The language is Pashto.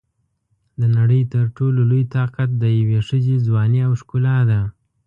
د نړۍ تر ټولو لوی طاقت د یوې ښځې ځواني او ښکلا ده.